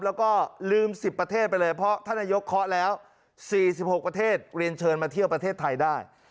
แล้วก็ลืม๑๐ประเทศไปเลยเพราะท่านนายกเคาะแล้ว๔๖ประเทศเรียนเชิญมาเที่ยวประเทศไทยได้